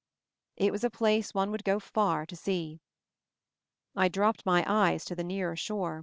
It was a place one would go far to see. I dropped my eyes to the nearer shore.